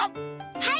はい！